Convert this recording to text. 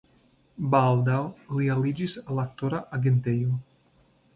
Baldaŭ li aliĝis al aktora agentejo.